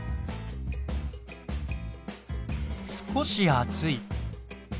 少し暑い。